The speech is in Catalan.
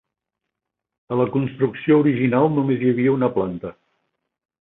A la construcció original només hi havia una planta.